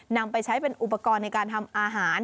นำไปใช้เป็นอุปกรณ์ในการทำอาหาร